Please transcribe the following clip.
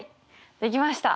できました！